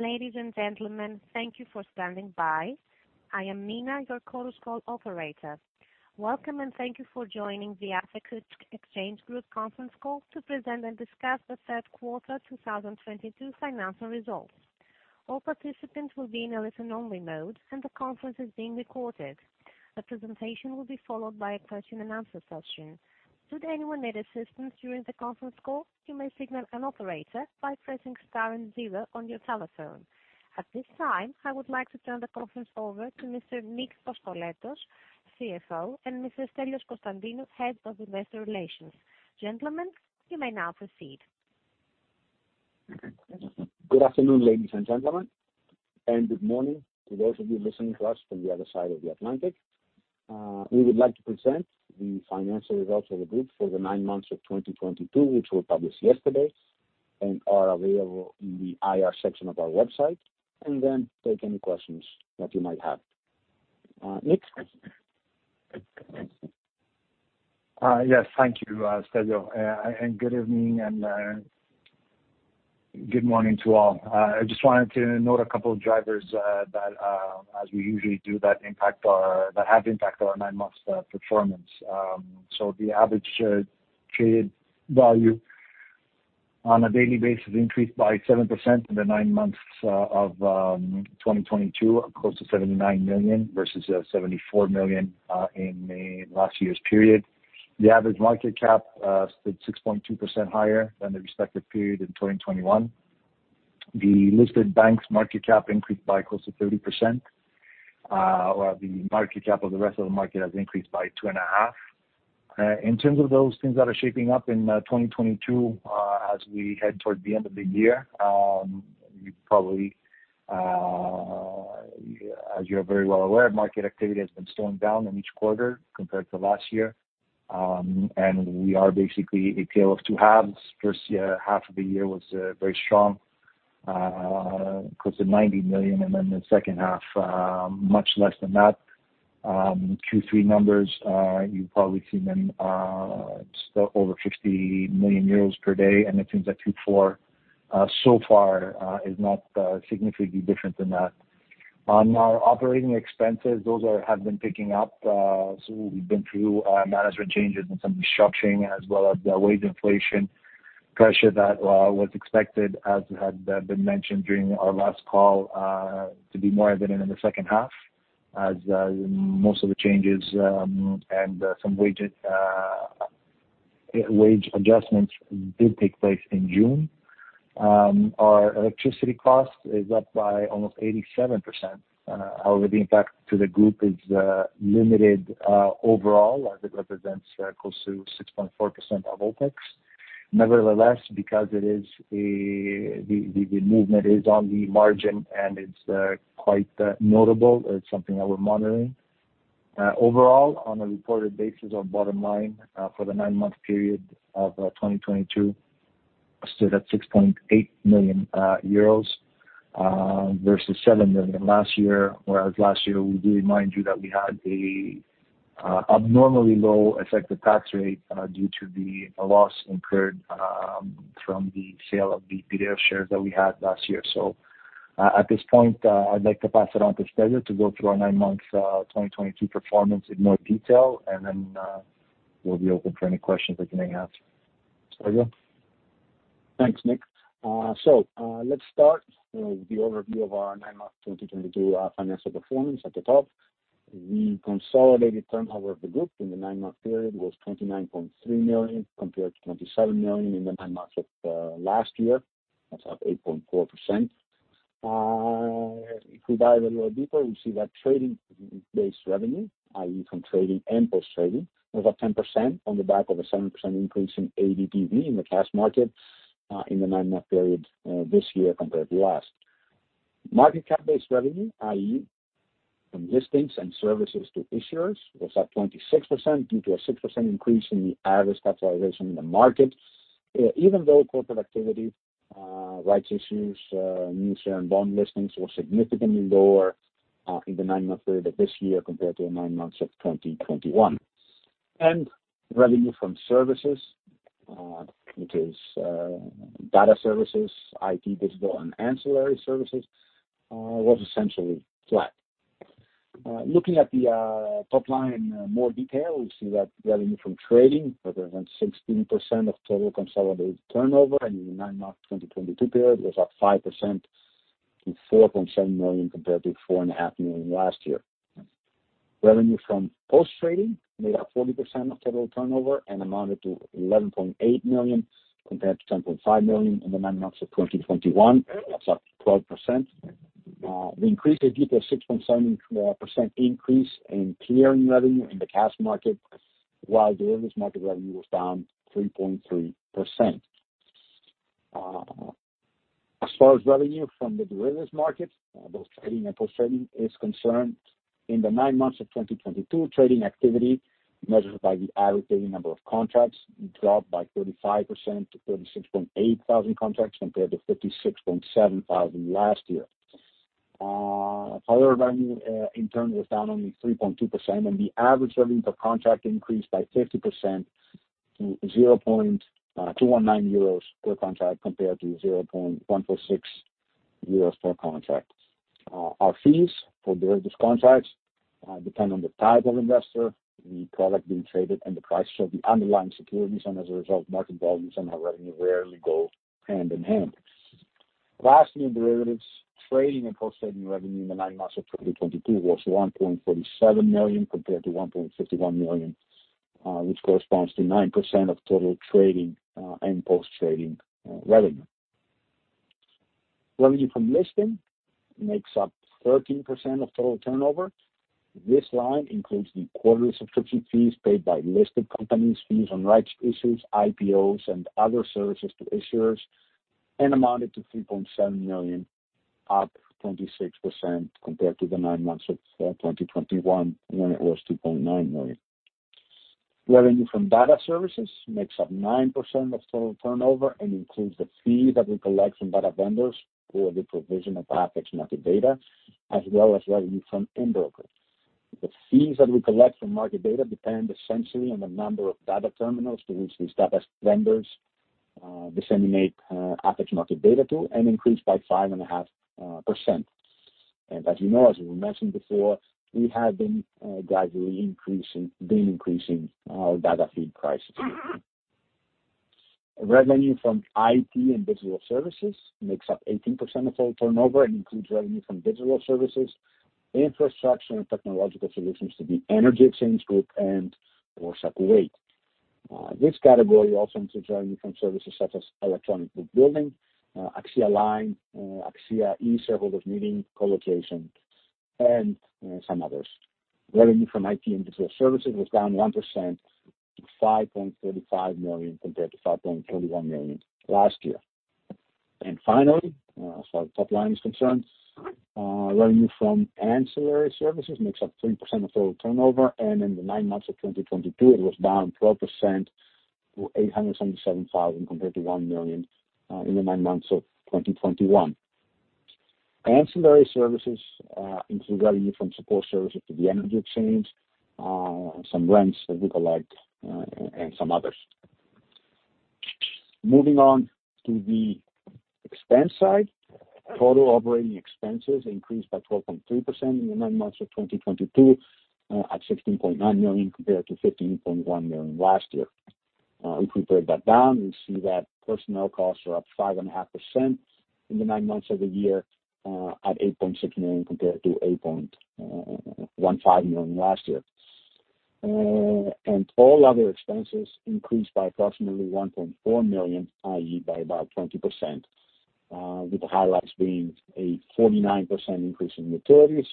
Ladies and gentlemen, thank you for standing by. I am Mina, your Chorus Call operator. Welcome, and thank you for joining the Athens Exchange Group conference call to present and discuss the Q3 2022 financial results. All participants will be in a listen-only mode, and the conference is being recorded. The presentation will be followed by a question-and-answer session. Should anyone need assistance during the conference call, you may signal an operator by pressing star and zero on your telephone. At this time, I would like to turn the conference over to Mr. Nikos Koskoletos, CFO, and Mrs. Katerina Tzagaroulaki, Head of Investor Relations. Gentlemen, you may now proceed. Good afternoon, ladies and gentlemen, and good morning to those of you listening to us from the other side of the Atlantic. We would like to present the financial results of the group for the nine months of 2022, which were published yesterday and are available in the IR section of our website, and then take any questions that you might have. Nick. Yes, thank you, Stelios. Good evening and good morning to all. I just wanted to note a couple of drivers that, as we usually do, that have impact our nine months performance. So the average traded value on a daily basis increased by 7% in the nine months of 2022, close to 79 million, versus 74 million in the last year's period. The average market cap stood 6.2% higher than the respective period in 2021. The listed banks market cap increased by close to 30%. The market cap of the rest of the market has increased by 2.5%. In terms of those things that are shaping up in 2022, as we head towards the end of the year, you probably, as you're very well aware, market activity has been slowing down in each quarter compared to last year. We are basically a tale of two halves. First, yeah, half of the year was very strong, close to 90 million, and then the second half, much less than that. Q3 numbers, you've probably seen them, over 50 million euros per day, and it seems that Q4, so far, is not significantly different than that. On our OpEx, those have been picking up. We've been through management changes and some restructuring as well as the wage inflation pressure that was expected as had been mentioned during our last call, to be more evident in the second half as most of the changes and some wages, wage adjustments did take place in June. Our electricity cost is up by almost 87%. However, the impact to the group is limited overall, as it represents close to 6.4% of OpEx. Nevertheless, because it is the movement is on the margin and it's quite notable, it's something that we're monitoring. Overall, on a reported basis, our bottom line for the nine-month period of 2022 stood at 6.8 million euros versus 7 million last year, whereas last year, we do remind you that we had an abnormally low effective tax rate due to the loss incurred from the sale of the PDF shares that we had last year. At this point, I'd like to pass it on to Stelios to go through our nine months 2022 performance in more detail, and then we'll be open for any questions that you may have. Stelios. Thanks, Nick. Let's start with the overview of our nine-month 2022 financial performance at the top. The consolidated turnover of the group in the nine-month period was 29.3 million, compared to 27 million in the nine months of last year. That's up 8.4%. If we dive a little deeper, we see that trading-based revenue, i.e., from trading and post-trading, was up 10% on the back of a 7% increase in ADPV in the cash market in the nine-month period this year compared to last. Market cap-based revenue, i.e., from listings and services to issuers, was up 26% due to a 6% increase in the average capitalization in the market, even though corporate activity, rights issues, new share and bond listings were significantly lower in the 9 months period of this year compared to the 9 months of 2021. Revenue from services, which is data services, IT, digital and ancillary services, was essentially flat. Looking at the top line in more detail, we see that revenue from trading, representing 16% of total consolidated turnover in the 9 month 2022 period, was up 5% to 4.7 million compared to 4.5 million last year. Revenue from post-trading made up 40% of total turnover and amounted to 11.8 million compared to 10.5 million in the nine months of 2021. That's up 12%. The increase is due to a 6.7% increase in clearing revenue in the cash market, while the derivatives market revenue was down 3.3%. As far as revenue from the derivatives market, both trading and post-trading is concerned, in the 9 months of 2022, trading activity, measured by the average daily number of contracts, dropped by 35% to 36.8 thousand contracts compared to 56.7 thousand last year. However, revenue, in turn was down only 3.2%, and the average revenue per contract increased by 50% to 0.219 euros per contract compared to 0.146 euros per contract. Our fees for derivatives contracts, depend on the type of investor, the product being traded, and the prices of the underlying securities, and as a result, market volumes and our revenue rarely go hand in hand. Lastly, in derivatives, trading and post-trading revenue in the nine months of 2022 was 1.47 million compared to 1.51 million, which corresponds to 9% of total trading and post-trading revenue. Revenue from listing makes up 13% of total turnover. This line includes the quarterly subscription fees paid by listed companies, fees on rights issues, IPOs, and other services to issuers, and amounted to 3.7 million, up 26% compared to the nine months of 2021 when it was 2.9 million. Revenue from data services makes up 9% of total turnover and includes the fees that we collect from data vendors for the provision of ATHEX market data, as well as revenue from end brokers. The fees that we collect from market data depend essentially on the number of data terminals to which these data vendors disseminate ATHEX market data to and increased by 5.5%. As you know, as we mentioned before, we have been gradually increasing our data feed prices. Revenue from IT and digital services makes up 18% of total turnover and includes revenue from digital services, infrastructure, and technological solutions to the Energy Exchange Group and Bolsa weight. This category also includes revenue from services such as electronic book building, AXIAline, AXIA e-Shareholders' Meeting, colocation, and some others. Revenue from IT and digital services was down 1% to 5.35 million compared to 5.31 million last year. Finally, as far as top line is concerned, revenue from ancillary services makes up 3% of total turnover, and in the 9 months of 2022, it was down 12% to 877,000, compared to 1 million in the nine months of 2021. Ancillary services include revenue from support services to the Energy Exchange, some rents that we collect, and some others. Moving on to the expense side, total operating expenses increased by 12.3% in the nine months of 2022, at 16.9 million compared to 15.1 million last year. If we break that down, we see that personnel costs are up 5.5% in the nine months of the year, at 8.6 million compared to 8.15 million last year. All other expenses increased by approximately 1.4 million, i.e., by about 20%, with the highlights being a 49% increase in utilities,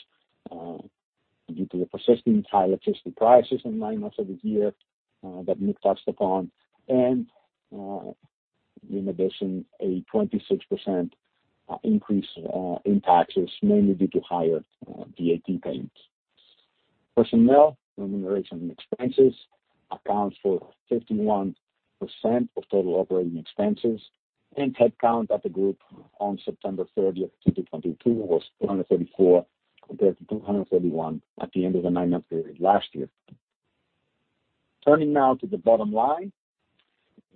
due to the persistent high electricity prices in nine months of the year, that Nick touched upon, and in addition, a 26% increase in taxes, mainly due to higher VAT payments. Personnel remuneration and expenses account for 51% of total operating expenses, and headcount at the group on September 30th, 2022 was 234 compared to 231 at the end of the nine-month period last year. Turning now to the bottom line,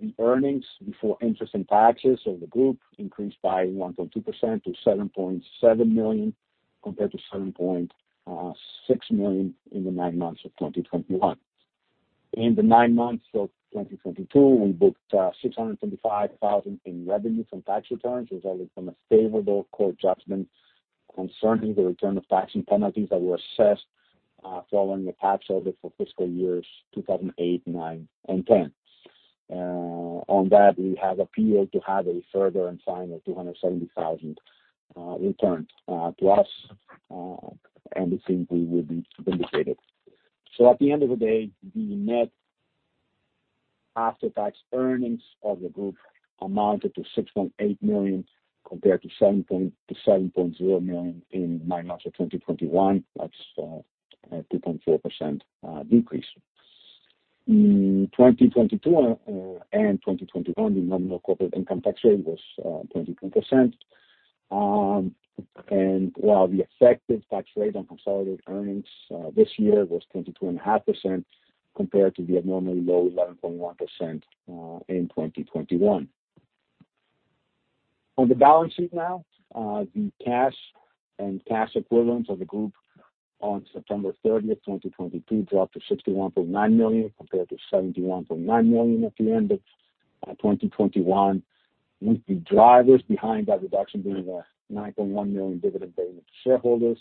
the earnings before interest and taxes of the group increased by 1.2% to 7.7 million, compared to 7.6 million in the 9 months of 2021. In the 9 months of 2022, we booked 635,000 in revenue from tax returns resulting from a favorable court judgment concerning the return of tax and penalties that were assessed following a tax audit for fiscal years 2008, 2009, and 2010. On that, we have appealed to have a further and final 270,000 returned to us, and it seems we will be vindicated. At the end of the day, the net after-tax earnings of the group amounted to 6.8 million compared to 7.0 million in nine months of 2021. That's a 2.4% decrease. In 2022 and 2021, the nominal corporate income tax rate was 22%, and while the effective tax rate on consolidated earnings this year was 22.5% compared to the abnormally low 11.1% in 2021. On the balance sheet now, the cash and cash equivalents of the group on September 30, 2022 dropped to 61.9 million compared to 71.9 million at the end of 2021, with the drivers behind that reduction being the 9.1 million dividend payment to shareholders,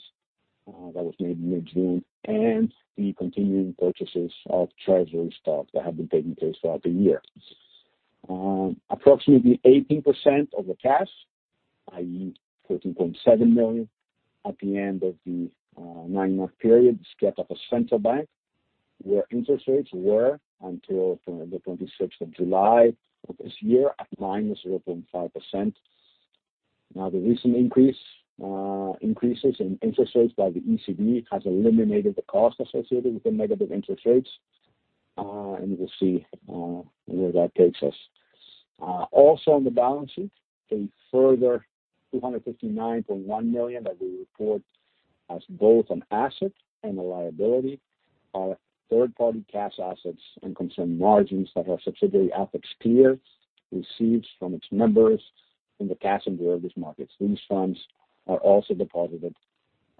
that was made in mid-June, and the continuing purchases of treasury stock that have been taking place throughout the year. Approximately 18% of the cash, i.e., 13.7 million at the end of the nine-month period, is kept at the Bank of Greece, where interest rates were until the 26th of July of this year at -0.5%. Now, the recent increases in interest rates by the ECB has eliminated the cost associated with the negative interest rates. We'll see where that takes us. Also on the balance sheet, a further 259.1 million that we report as both an asset and a liability are third-party cash assets and concern margins that our subsidiary, ATHEXClear, receives from its members in the cash and derivatives markets. These funds are also deposited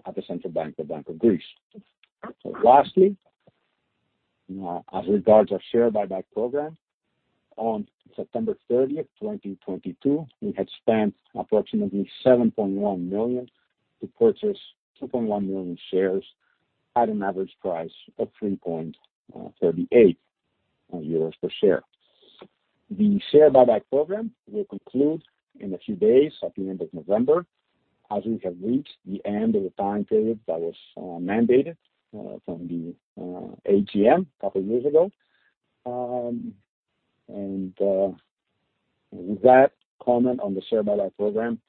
at the Central Bank of Greece. Lastly, as regards our share buyback program, on September 30, 2022, we had spent approximately 7.1 million to purchase 2.1 million shares at an average price of 3.38 euros per share. The share buyback program will conclude in a few days at the end of November, as we have reached the end of the time period that was mandated from the AGM a couple of years ago. With that comment on the share buyback program,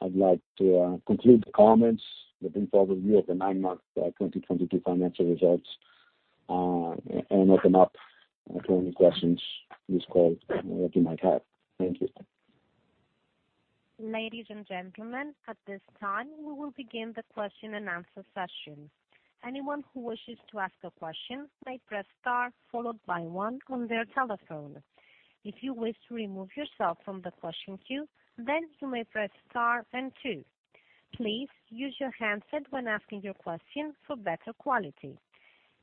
I'd like to conclude the comments with the overview of the nine-month 2022 financial results, and open up for any questions this call that you might have. Thank you. Ladies and gentlemen, at this time, we will begin the question-and-answer session. Anyone who wishes to ask a question may press star followed by one on their telephone. If you wish to remove yourself from the question queue, you may press star and two. Please use your handset when asking your question for better quality.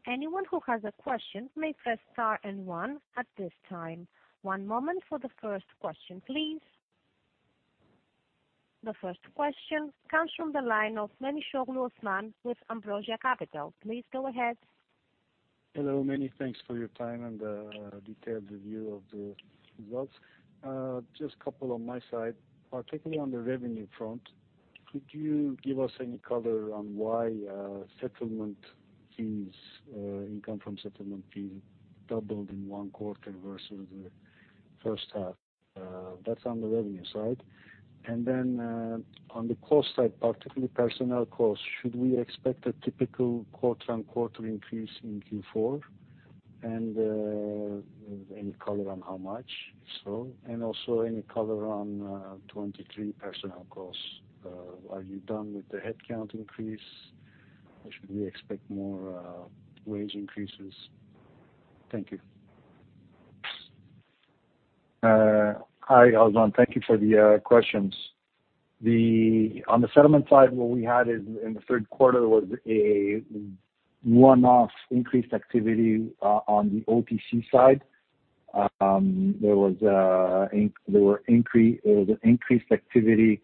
Anyone who has a question may press star and one at this time. One moment for the first question, please. The first question comes from the line of Manos Giouras with Ambrosia Capital. Please go ahead. Hello. Many thanks for your time and detailed review of the results. Just couple on my side. Particularly on the revenue front, could you give us any color on why settlement fees, income from settlement fees doubled in one quarter versus the first half? That's on the revenue side. On the cost side, particularly personnel costs, should we expect a typical quarter-on-quarter increase in Q4? Any color on how much so, and also any color on 2023 personnel costs. Are you done with the headcount increase, or should we expect more wage increases? Thank you. Hi, Ozan. Thank you for the questions. On the settlement side, what we had is, in the third quarter, was a one-off increased activity on the OTC side. There was increased activity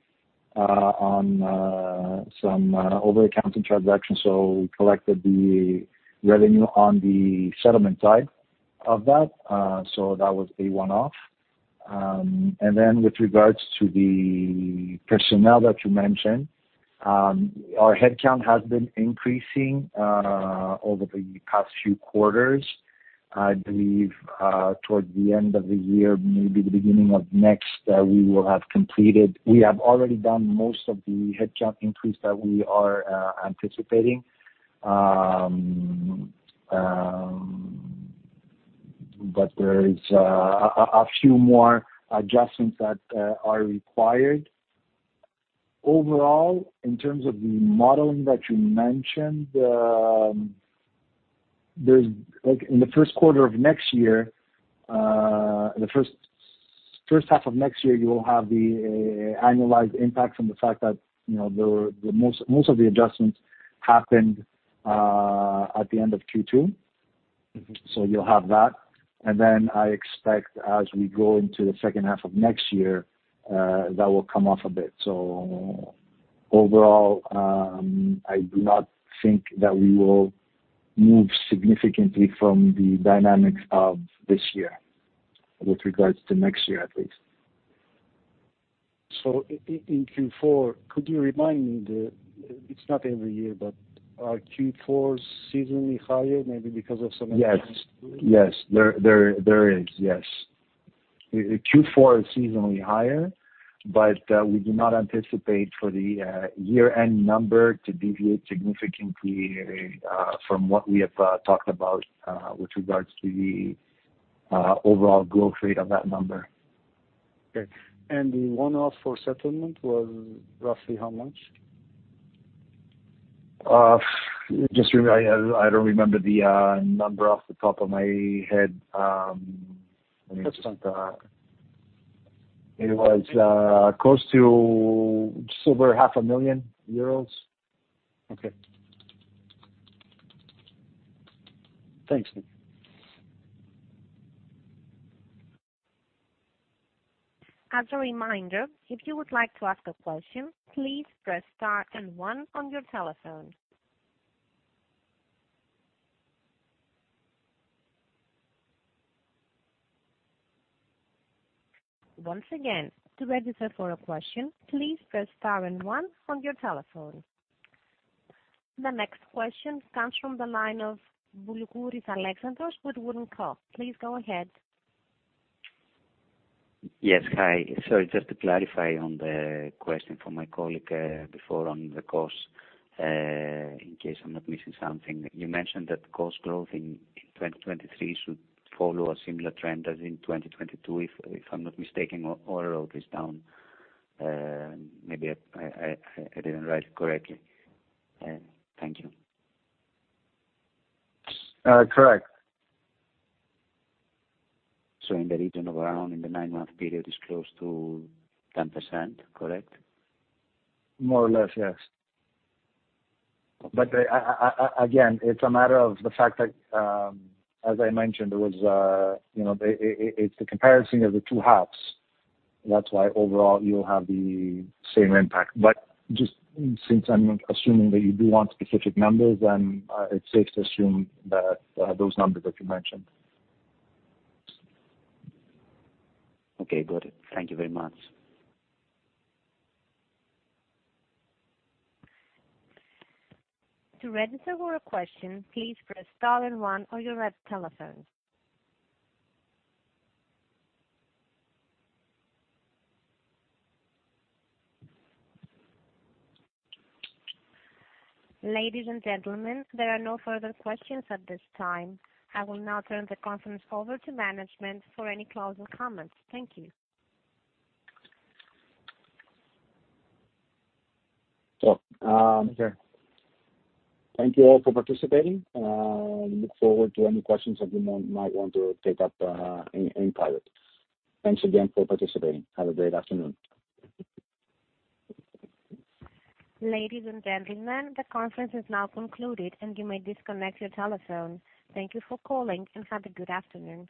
on some over-the-counter transactions, so we collected the revenue on the settlement side of that. That was a one-off. With regards to the personnel that you mentioned, our headcount has been increasing over the past few quarters. I believe, towards the end of the year, maybe the beginning of next, we will have completed. We have already done most of the headcount increase that we are anticipating. There is a few more adjustments that are required. Overall, in terms of the modeling that you mentioned, Like, in the first quarter of next year, the first half of next year, you will have the annualized impact from the fact that, you know, Most of the adjustments happened, at the end of Q2. You'll have that. I expect as we go into the second half of next year, that will come off a bit. Overall, I do not think that we will move significantly from the dynamics of this year with regards to next year, at least. in Q4, could you remind me? It's not every year, but are Q4s seasonally higher maybe because of? Yes. Yes. There is, yes. Q4 is seasonally higher, but we do not anticipate for the year-end number to deviate significantly from what we have talked about with regards to the overall growth rate of that number. Okay. The one-off for settlement was roughly how much? I don't remember the number off the top of my head. It was close to just over half a million euros. Okay. Thanks. As a reminder, if you would like to ask a question, please press star and one on your telephone. Once again, to register for a question, please press star and one on your telephone. The next question comes from the line of Alexandros Boulougouris with WOOD & Co. Please go ahead. Yes. Hi. Sorry, just to clarify on the question from my colleague, before on the costs, in case I'm not missing something. You mentioned that cost growth in 2023 should follow a similar trend as in 2022, if I'm not mistaken, overall it is down. Maybe I didn't write correctly. Thank you. Correct. In the region of around in the nine-month period is close to 10%, correct? More or less, yes. I, again, it's a matter of the fact that, as I mentioned, it was, you know, it's the comparison of the two halves. That's why overall you'll have the same impact. Just since I'm assuming that you do want specific numbers, then it's safe to assume that those numbers that you mentioned. Okay, got it. Thank you very much. To register for a question, please press star and one on your red telephone. Ladies and gentlemen, there are no further questions at this time. I will now turn the conference over to management for any closing comments. Thank you. So, um. Okay. Thank you all for participating. Look forward to any questions that you might want to take up in private. Thanks again for participating. Have a great afternoon. Ladies and gentlemen, the conference is now concluded, and you may disconnect your telephone. Thank you for calling, and have a good afternoon.